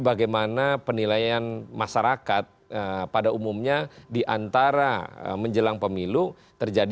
bagaimana penilaian masyarakat pada umumnya diantara menjelang pemilu terjadi